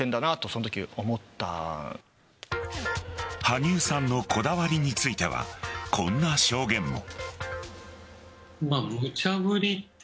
羽生さんのこだわりについてはこんな証言も。